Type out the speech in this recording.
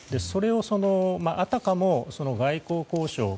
それをあたかも外交交渉